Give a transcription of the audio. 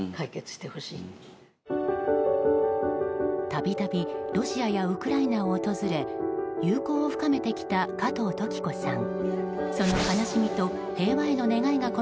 度々、ロシアやウクライナを訪れ友好を深めてきた加藤登紀子さん。